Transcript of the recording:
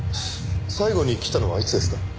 最後に来たのはいつですか？